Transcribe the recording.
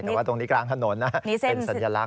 แต่ว่าตรงนี้กลางถนนนะเป็นสัญลักษ